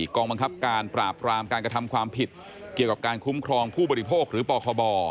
กองบังคับการปราบรามการกระทำความผิดเกี่ยวกับการคุ้มครองผู้บริโภคหรือปคบ